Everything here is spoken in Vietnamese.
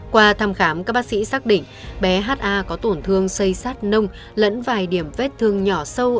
qua thăm khám các bác sĩ xác định bé ha có tổn thương xây sát nông lẫn vài điểm vết thương nhỏ sâu